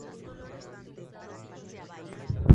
Allí comenzó a componer y a tocar la guitarra.